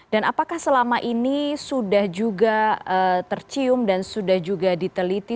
dan apakah selama ini sudah juga tercium dan sudah juga diteliti